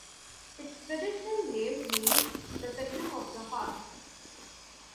Its traditional name means "the section of the horse".